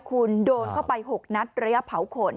คุณโดนเข้าไป๖นัดระยะเผาขน